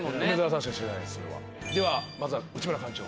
ではまずは内村館長。